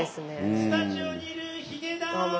スタジオにいるヒゲダン！